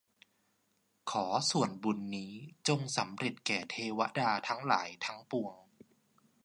ขอส่วนบุญนี้จงสำเร็จแก่เทวดาทั้งหลายทั้งปวง